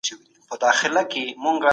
د مال په ترلاسه کولو کي احتیاط کوئ.